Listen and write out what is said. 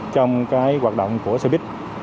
trong cái hoạt động của xe buýt